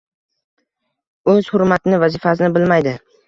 O‘z hurmatini, vazifasini bilmaydi.